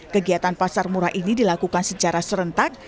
kegiatan pasar murah ini dilakukan secara serentak